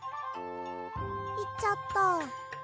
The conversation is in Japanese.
いっちゃった。